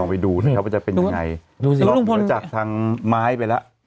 ลองไปดูเป็นยังไงก็ลองมาจากทางไม้ไปละ